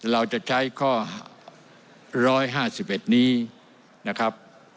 เราจะใช้ข้อร้อยห้าสิบเอ็ดนี้นะครับ